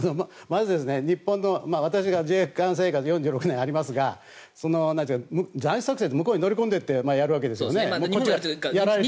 まず、日本の私の自衛官生活４６年ありますが斬首作戦って向こうに乗り込んでやるわけですよね。